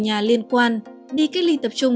nhà liên quan đi cách ly tập trung